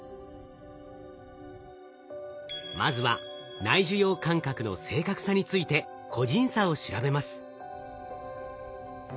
まずは内受容感覚の正確さについて個人差を調べます。